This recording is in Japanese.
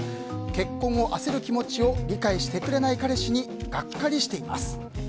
結婚を焦る気持ちを理解してくれない彼氏にガッカリしています。